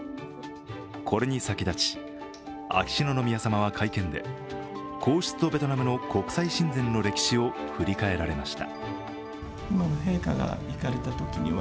これに先立ち、秋篠宮さまは会見で皇室とベトナムの国際親善の歴史を振り返られました。